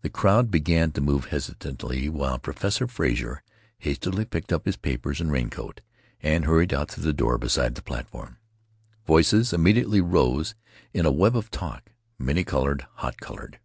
The crowd began to move hesitatingly, while Professor Frazer hastily picked up his papers and raincoat and hurried out through the door beside the platform. Voices immediately rose in a web of talk, many colored, hot colored.